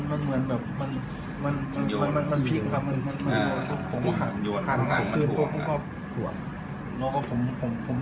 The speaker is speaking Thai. มันเหมือนแบบมันพลิกครับมันห่างขึ้นผมก็ห่วง